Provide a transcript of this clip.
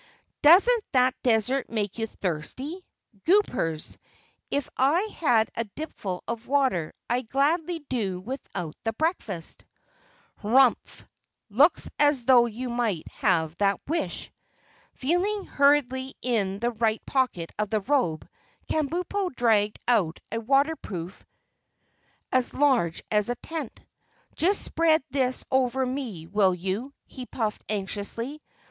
"Doesn't that desert make you thirsty? Goopers, if I had a dipperful of water I'd gladly do without the breakfast." "Humph! looks as if you might have that wish." Feeling hurriedly in the right pocket of his robe, Kabumpo dragged out a waterproof as large as a tent. "Just spread this over me, will you?" he puffed anxiously.